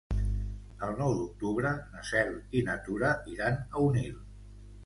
El nou d'octubre na Cel i na Tura iran a Onil.